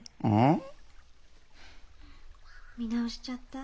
見直しちゃった。